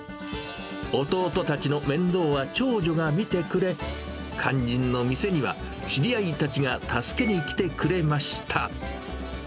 弟たちの面倒は長女が見てくれ、肝心の店には知り合いたちが助けに来てくれました。